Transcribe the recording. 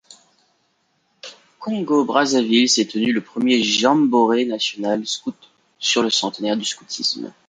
Congo-brazzaville, s'est tenu le premier jamboré national scout; sur le centenaire du scoutisme.